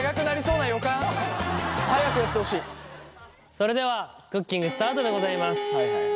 それではクッキングスタートでございます。